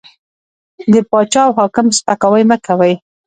د باچا او حاکم سپکاوی مه کوئ!